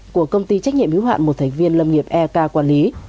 của công ty trách nhiệm hữu hạn một thành viên lâm nghiệp ek quản lý